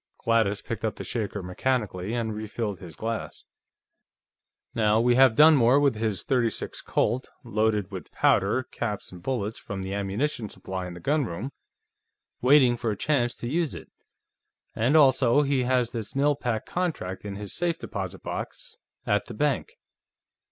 Gladys picked up the shaker mechanically and refilled his glass. "Now we have Dunmore with this .36 Colt, loaded with powder, caps and bullets from the ammunition supply in the gunroom, waiting for a chance to use it. And also, he has this Mill Pack contract in his safe deposit box at the bank.